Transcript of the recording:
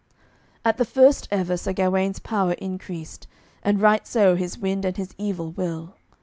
At the first ever Sir Gawaine's power increased, and right so his wind and his evil will.